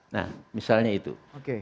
nah misalnya itu oke